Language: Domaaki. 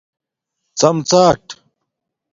ڎم ڎاٹ